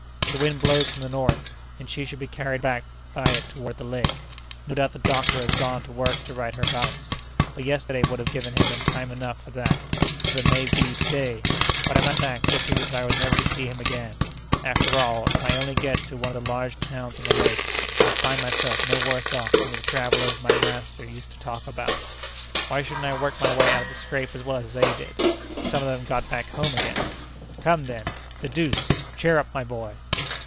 "The wind blows from the north, and she should be carried back by it toward the lake. No doubt the doctor has gone to work to right her balance, but yesterday would have given him time enough for that, so that may be to day—but I must act just as if I was never to see him again. After all, if I only get to one of the large towns on the lake, I'll find myself no worse off than the travellers my master used to talk about. Why shouldn't I work my way out of the scrape as well as they did? Some of them got back home again. Come, then! the deuce! Cheer up, my boy!"